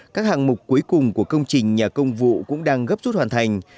các hạng mục cuối cùng của công trình nhà công vụ cũng đang gấp rút hoàn thành